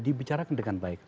dibicarakan dengan baik